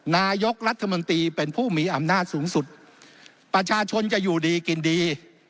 นายกรัฐมนตรีเป็นผู้มีอำนาจสูงสุดประชาชนจะอยู่ดีกินดี